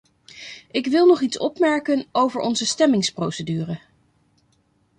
Ik wil nog iets opmerken over onze stemmingsprocedure.